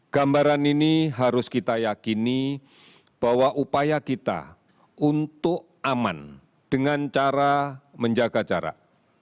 gambaran ini harus kita yakini bahwa upaya kita untuk aman dengan cara menjaga jarak